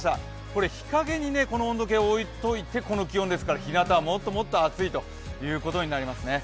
これ日陰にこの温度計を置いておいて、この気温ですから日向はもっともっと暑いということになりますね。